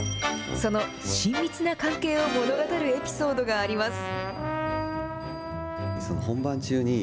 その親密な関係を物語るエピソードがあります。